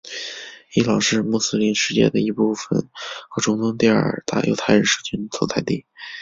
伊朗是穆斯林世界的一部分和中东第二大犹太人社群的所在地。